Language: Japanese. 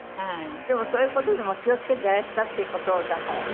でもそういう事でも気を付けてらしたっていう事だからね。